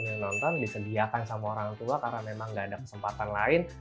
mendaraster dikonsumsi sama orang tua karena memang gabffelekan kesematuang lain